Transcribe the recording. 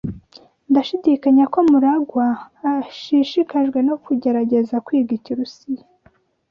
Ndashidikanya ko MuragwA ashishikajwe no kugerageza kwiga ikirusiya.